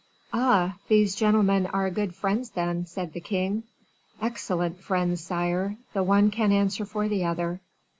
"Ah! these gentlemen are good friends, then?" said the king. "Excellent friends, sire; the one can answer for the other.